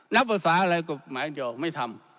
นับศาอะไรกฎหมายเดียวไม่ทำ